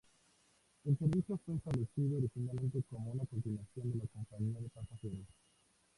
El servicio fue establecido originariamente como una continuación de la compañía de pasajeros.